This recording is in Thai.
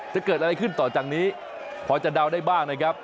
จะเกิดอะไรขึ้นต่อจากนี้พอจะเดาได้บ้างนะครับ